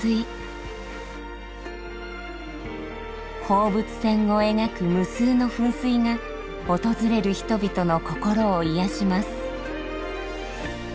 放物線をえがく無数の噴水がおとずれる人々の心をいやします。